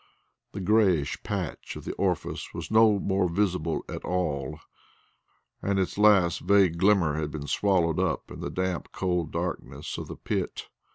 The greyish patch of the orifice was no more visible at all, and its last vague glimmer had been swallowed up in the damp cold darkness of the pit.